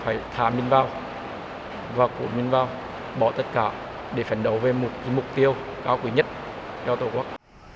phải thả mình vào và của mình vào bỏ tất cả để phản đấu về một mục tiêu cao quý nhất cho tổ quốc